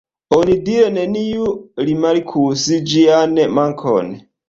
Onidire neniu rimarkus ĝian mankon.